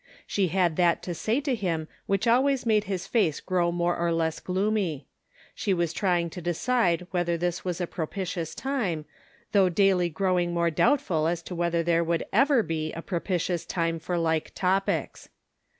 She had that to say to him which always made his face grow more or less gloomy: she was trying to decide whether this was a propitious time, though daily growing more doubtful as to whether there would ever be a propitious time for like topics.